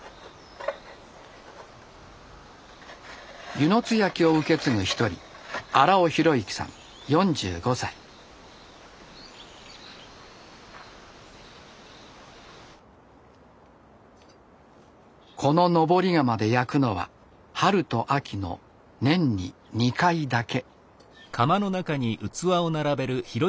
温泉津焼を受け継ぐ一人この登り窯で焼くのは春と秋の年に２回だけ。